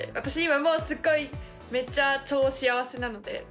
今もうすっごいめっちゃ超幸せなので。